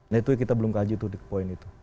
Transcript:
nah itu kita belum kaji itu poin itu